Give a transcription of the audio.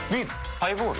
ハイボール？